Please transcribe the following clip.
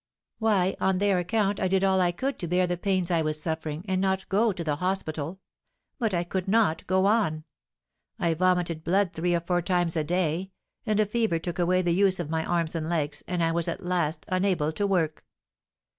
"Why, on their account, I did all I could to bear the pains I was suffering, and not go to the hospital; but I could not go on. I vomited blood three or four times a day, and a fever took away the use of my arms and legs, and I was at last unable to work.